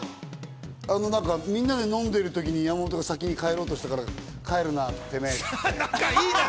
みんなで飲んでる時に山本が先に帰ろうとしたから、帰るなって言ってね。